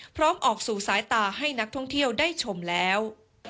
ออกสู่สายตาให้นักท่องเที่ยวได้ชมแล้ว